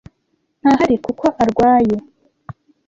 ntahari kuko arwaye.